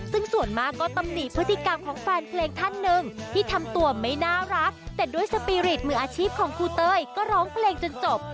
ซึ่งส่วนมากก็ตำหนิพฤติกรรมของแฟนเพลงท่านหนึ่งที่ทำตัวไม่น่ารักแต่ด้วยสปีริตมืออาชีพของครูเต้ยก็ร้องเพลงจนจบ